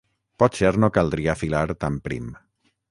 Potser no caldria filar tan prim.